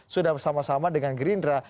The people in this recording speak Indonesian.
sudah bersama sama dengan gerindra